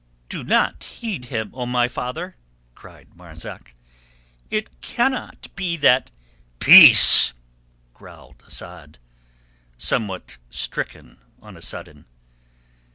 "Do not heed him, O my father!" cried Marzak. "It cannot be that...." "Peace!" growled Asad, somewhat stricken on a sudden.